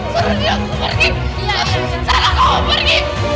salah kamu pergi